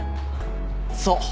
そう。